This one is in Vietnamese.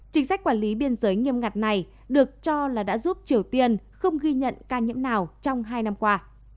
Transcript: chính sách quản lý biên giới nghiêm ngặt này được cho là đã giúp triều tiên không ghi nhận ca nhiễm nào trong hai năm qua